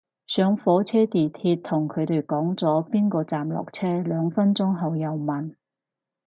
上火車地鐵同佢哋講咗邊個站落車，兩分鐘後又問